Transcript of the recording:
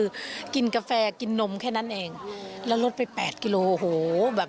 เออไปฟังได้ไหลค่ะ